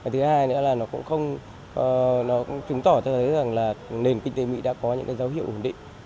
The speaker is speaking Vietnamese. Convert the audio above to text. thứ hai nữa là nó cũng chứng tỏ thấy nền kinh tế mỹ đã có những dấu hiệu ổn định